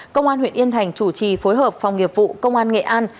công an huyện yên thành chủ trì phối hợp phòng nghiệp vụ công an nghệ an